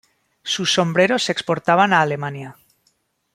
Sus sombreros se exportaban a Alemania.